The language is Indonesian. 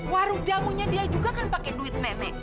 warung jamunya dia juga kan pakai duit nenek